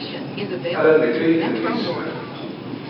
Ala nekk ay ten-yessnen.